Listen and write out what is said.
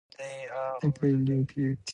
The temple is newly built.